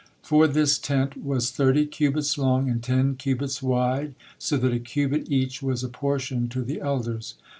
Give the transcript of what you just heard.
For this tent was thirty cubits long and ten cubits wide, so that a cubit each was apportioned to the elders.